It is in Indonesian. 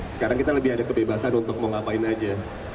sekarang kita lebih ada kebebasan untuk mau ngapain aja